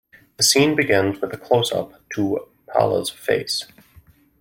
The scene begins with a closeup to Paula's face.